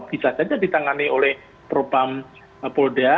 bisa saja ditangani oleh propam polda